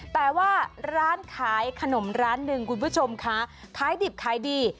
แต่ว่าร้านขายขนมร้านหนึ่งคุณผู้ชมคะขายดิบขายดี